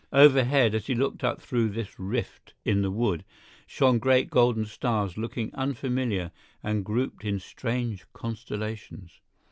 Overhead, as he looked up through this rift in the wood, shone great golden stars looking unfamiliar and grouped in strange constellations.